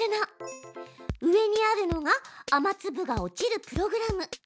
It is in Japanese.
上にあるのが雨つぶが落ちるプログラム。